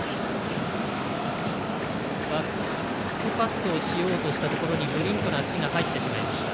バックパスをしようとしたところにブリントの足が入ってしまいました。